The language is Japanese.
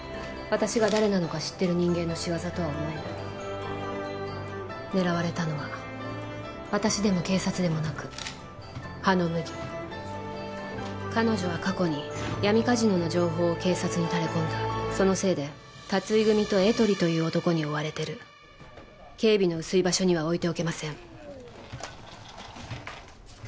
私が誰なのか知ってる人間の仕業とは思えない狙われたのは私でも警察でもなく羽野麦彼女は過去に闇カジノの情報を警察に垂れ込んだそのせいで辰井組とエトリという男に追われてる警備の薄い場所には置いておけません